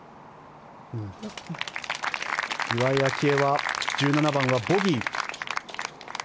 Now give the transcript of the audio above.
岩井明愛は１７番はボギー。